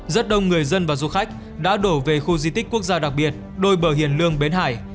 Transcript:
rất đông người dân và du khách đã đổ về khu di tích quốc gia đặc biệt đôi bờ hiền lương bến hải